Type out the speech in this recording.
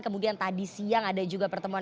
kemudian tadi siang ada juga pertemuan